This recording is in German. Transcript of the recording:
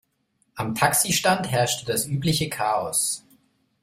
Am Taxistand herrschte das übliche Chaos.